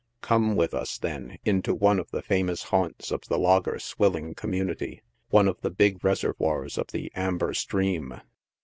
Come with us then into one of the famous haunts of the lager swil ling community, one of the big reservoirs of the " amber stream."